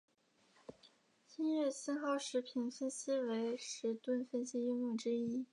音乐信号时频分析为时频分析应用之一。